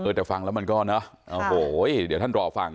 แต่ฟังแล้วมันก็เนอะโอ้โหเดี๋ยวท่านรอฟัง